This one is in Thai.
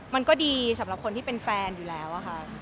มันก็ดีสำหรับคนที่เป็นแฟนอยู่แล้วค่ะ